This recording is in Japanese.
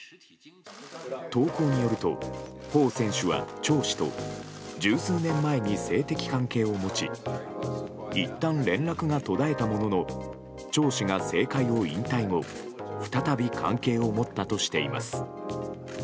投稿によるとホウ選手はチョウ氏と十数年前に性的関係を持ちいったん連絡が途絶えたもののチョウ氏が政界を引退後再び関係を持ったとしています。